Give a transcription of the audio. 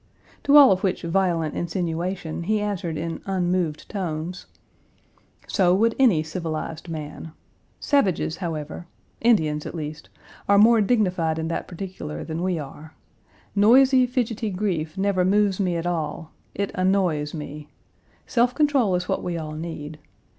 To all of which violent insinuation he answered in unmoved tones: "So would any civilized man. Page 263 Savages, however Indians, at least are more dignified in that particular than we are. Noisy, fidgety grief never moves me at all; it annoys me. Self control is what we all need.